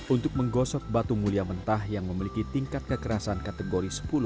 untuk menggosok batu mulia mentah yang memiliki tingkat kekerasan kategori sepuluh